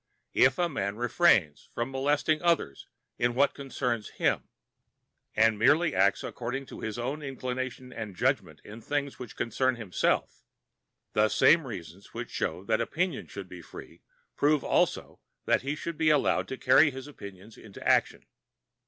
If a man refrains from molesting others in what concerns him, and merely acts according to his own inclination and judgment in things which concern himself, the same reasons which show that opinion should be free prove also that he should be allowed to carry his opinions into action.